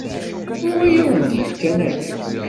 Anwa ay awen-d-yefkan aya?